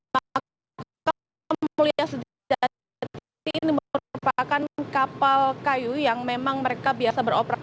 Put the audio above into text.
maka mulia sejati ini merupakan kapal kayu yang memang mereka biasa beroperasi